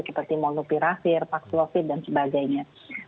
seperti molnupirafir paksuofid dan sebagainya